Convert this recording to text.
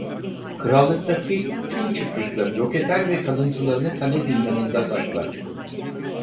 Krallıktaki tüm çıkrıkları yok eder ve kalıntılarını kale zindanında saklar.